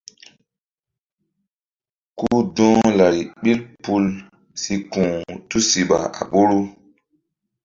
Ku dɔ̧h lari ɓil pul si ku̧h tusiɓa a ɓoru.